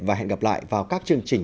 và hẹn gặp lại vào các chương trình